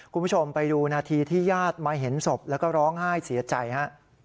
คุณผู้ชมไปดูนาทีที่ญาติมาเห็นศพแล้วก็ร้องไห้เสียใจฮะ